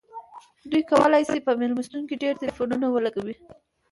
دوی کولی شي په میلمستون کې ډیر ټیلیفونونه ولګوي